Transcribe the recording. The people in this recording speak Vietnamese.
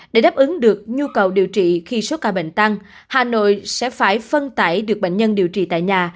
để đáp ứng được nhu cầu điều trị khi số ca bệnh tăng hà nội sẽ phải phân tải được bệnh nhân điều trị tại nhà